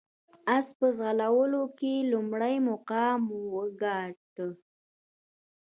اس په ځغلولو کې لومړی مقام وګاټه.